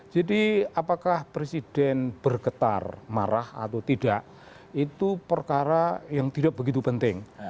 jadi apakah presiden bergetar marah atau tidak itu perkara yang tidak begitu penting